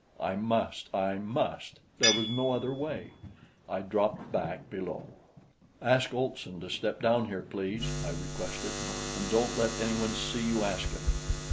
I must! I must! There was no other way. I dropped back below. "Ask Olson to step down here, please," I requested; "and don't let anyone see you ask him."